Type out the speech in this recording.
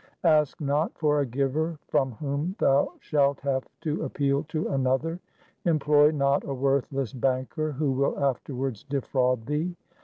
1 Ask not for a giver from whom thou shalt have to appeal to another. Employ not a worthless banker who will afterwards defraud thee.